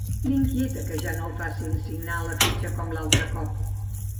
L'inquieta que ja no el facin signar a la fitxa com l'altre cop.